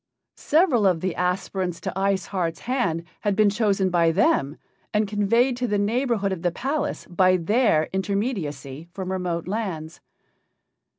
Several of the aspirants to Ice Heart's hand had been chosen by them and conveyed to the neighborhood of the palace by their intermediacy from remote lands.